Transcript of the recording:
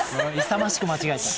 勇ましく間違えた。